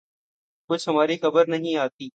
کچھ ہماری خبر نہیں آتی